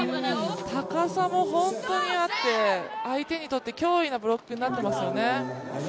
高さも本当にあって、相手にとって脅威のブロックになってますよね。